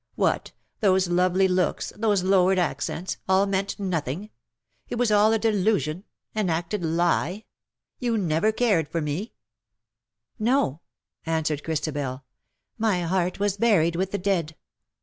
What^ those lovely looks^ those lowered accents — all meant nothing ? It was all a delusion — an acted lie ? You never cared for mer " No/'' answered Christabel. " My heart was buried with the dead.